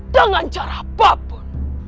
dengan cara apapun